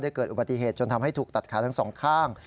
เกิดอุบัติเหตุจนทำให้ถูกตัดขาทั้งสองข้าง